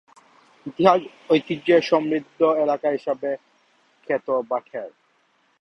ইতিহাস ঐতিহ্যে সমৃদ্ধ এলাকা হিসেবে খ্যাত ভাটের।